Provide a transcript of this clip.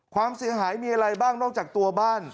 ความเสียหายมีอะไรบ้างนอกจากตัวบ้าน